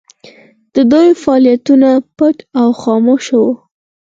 د دوی فعالیتونه پټ او خاموشه وو.